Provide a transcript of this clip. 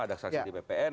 ada saksi di bpn